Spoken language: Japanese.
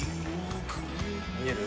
見える？